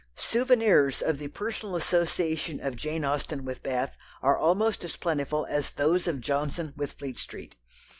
Souvenirs of the personal association of Jane Austen with Bath are almost as plentiful as those of Johnson with Fleet Street.